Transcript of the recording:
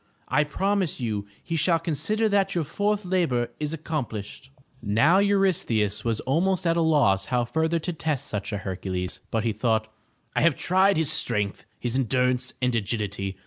I promise you he shall consider that your fourth labor is accomplished/' Now Eurystheus was almost at a loss how further to test such a Hercules, but he thought: "I have tried his strength, his en durance and agility.